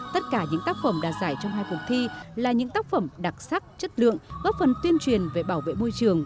tất cả những tác phẩm đạt giải trong hai cuộc thi là những tác phẩm đặc sắc chất lượng góp phần tuyên truyền về bảo vệ môi trường